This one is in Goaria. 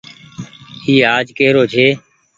اي آج ڪي رو ڇي۔